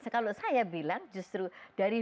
kalau saya bilang justru dari